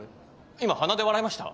今鼻で笑いました？